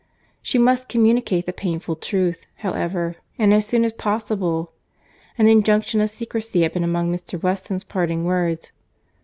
—She must communicate the painful truth, however, and as soon as possible. An injunction of secresy had been among Mr. Weston's parting words.